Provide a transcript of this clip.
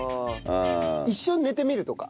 一緒に寝てみるとか。